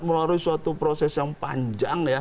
melalui suatu proses yang panjang ya